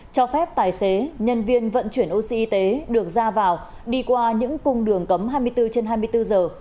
cho phép tài xế nhân viên vận chuyển oxy được ra vào đi qua những cung đường cấm hai mươi bốn trên hai mươi bốn giờ